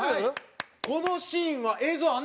このシーンは映像あん